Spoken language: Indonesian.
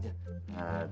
nah terus lagi